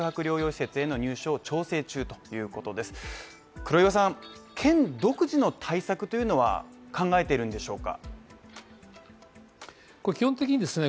黒岩さん、県独自の対策というのは考えてるんでしょうか？